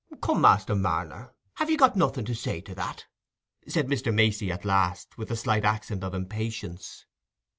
"Come, Master Marner, have you got nothing to say to that?" said Mr. Macey at last, with a slight accent of impatience.